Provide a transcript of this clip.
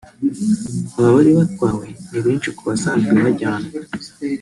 Aba bari batwawe ni benshi ku basanzwe bajyanwa